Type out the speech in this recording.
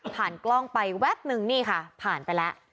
กล้องไปแวบนึงนี่ค่ะผ่านไปแล้ว